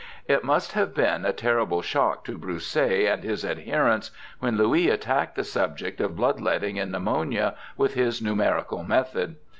It must have been a terrible shock to Broussais and his adherents when Louis attacked the subject of blood letting in pneumonia with his numerical method.